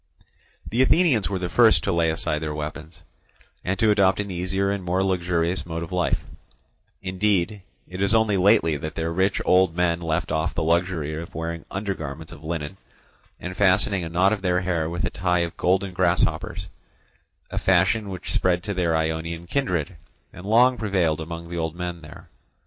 The Athenians were the first to lay aside their weapons, and to adopt an easier and more luxurious mode of life; indeed, it is only lately that their rich old men left off the luxury of wearing undergarments of linen, and fastening a knot of their hair with a tie of golden grasshoppers, a fashion which spread to their Ionian kindred and long prevailed among the old men there.